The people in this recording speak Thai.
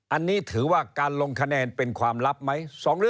อันนี้ถือว่าการลงคะแนนเป็นความลับไหม